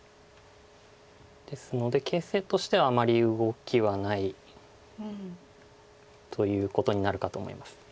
ですので形勢としてはあまり動きはないということになるかと思います。